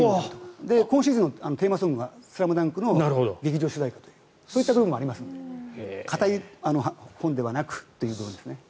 今シーズンのテーマソングは「ＳＬＡＭＤＵＮＫ」の劇場主題歌というそういった面もありますので堅い本ではなくということですね。